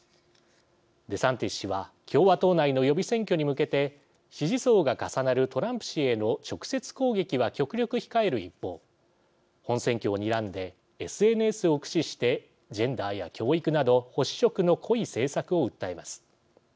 デサンティス氏は共和党内の予備選挙に向けて支持層が重なるトランプ氏への直接攻撃は極力控える一方本選挙をにらんでＳＮＳを駆使してジェンダーや教育など保守色の濃い政策を訴えます。